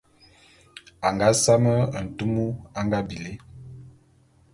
A nga same ntume a nga bili.